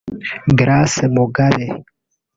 Grace Mugabe